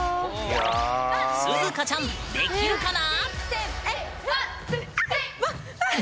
寿々歌ちゃんできるかな？